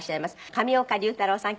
上岡龍太郎さん